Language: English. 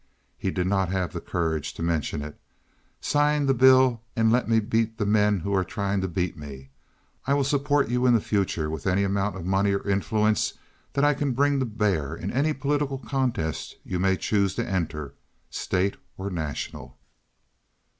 He did not have the courage to mention it. Sign the bill and let me beat the men who are trying to beat me. I will support you in the future with any amount of money or influence that I can bring to bear in any political contest you may choose to enter, state or national."